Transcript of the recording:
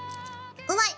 うまい！